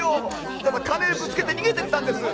ただ金ぶつけて逃げてったんです」。